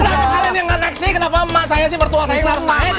kenapa kalian yang ngarep sih kenapa emak saya si mertua saya yang harus main kenapa